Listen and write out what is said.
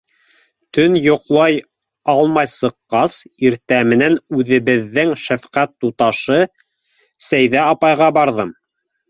Төн йоҡлай алмай сыҡҡас, иртә менән үҙебеҙҙең шәфҡәт туташы Сәйҙә апайға барҙым.